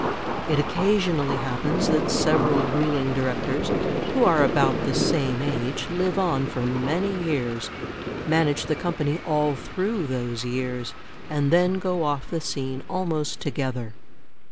It occasionally happens that several ruling directors who are about the same age live on for many years, manage the company all through those years, and then go off the scene almost together.